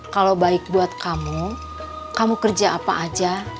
kalau baik buat kamu kamu kerja apa aja